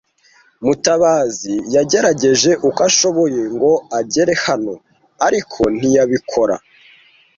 Mutabazi yagerageje uko ashoboye ngo agere hano, ariko ntiyabikora.